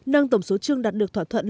nâng tổng số chương đạt được thỏa thuận